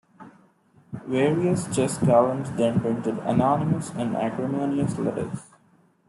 Various chess columns then printed anonymous and acrimonious letters.